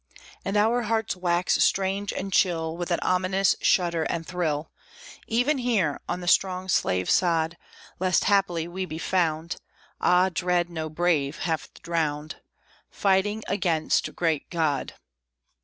And our hearts wax strange and chill, With an ominous shudder and thrill, Even here, on the strong Slave Sod, Lest, haply, we be found (Ah, dread no brave hath drowned!) Fighting against Great God.